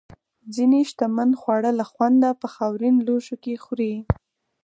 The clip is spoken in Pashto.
ځینې شتمن خواړه له خونده په خاورین لوښو کې خوري.